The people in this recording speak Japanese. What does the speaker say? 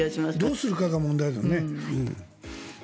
どうするかが問題だよね。